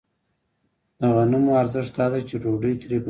د غنمو ارزښت دا دی چې ډوډۍ ترې پخېږي